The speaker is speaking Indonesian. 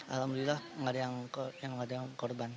alhamdulillah nggak ada yang ada korban